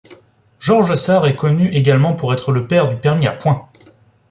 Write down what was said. Georges Sarre est connu également pour être le père du permis à points.